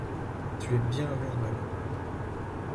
Tu aimes bien avoir mal.